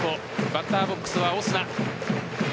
バッターボックスはオスナ。